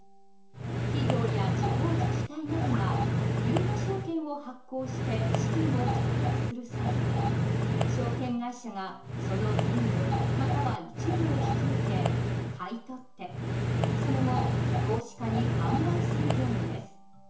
企業や地方自治体などが有価証券を発行して資金を調達する際証券会社がその全部または一部を引き受け買い取ってその後投資家に販売する業務です。